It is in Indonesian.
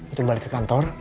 untuk balik ke kantor